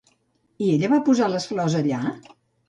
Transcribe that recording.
I ella va posar les flors allà?